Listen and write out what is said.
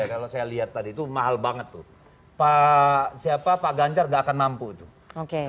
kalau saya lihat tadi itu makanya itu memang itu memang itu memang itu memang itu memang itu memang